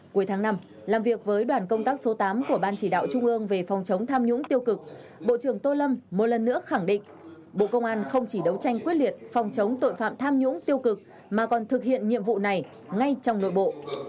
cuối tháng năm làm việc với đoàn công tác số tám của ban chỉ đạo trung ương về phòng chống tham nhũng tiêu cực bộ trưởng tô lâm một lần nữa khẳng định bộ công an không chỉ đấu tranh quyết liệt phòng chống tội phạm tham nhũng tiêu cực mà còn thực hiện nhiệm vụ này ngay trong nội bộ